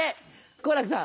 好楽さん。